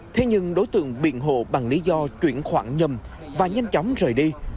thế nhưng đối tượng biện hộ bằng lý do chuyển khoản nhầm và nhanh chóng rời đi